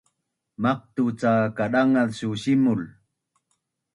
maqtu’ cak kadangaz su simul